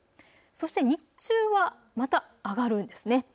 そして日中はまた上がるんですね。